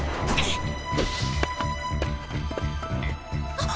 あっ！